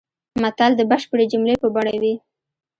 متل د بشپړې جملې په بڼه وي